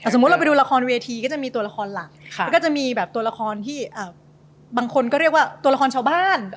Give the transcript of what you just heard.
สมมุติเราไปดูละครเวทีก็จะมีตัวละครหลักมันก็จะมีแบบตัวละครที่บางคนก็เรียกว่าตัวละครชาวบ้าน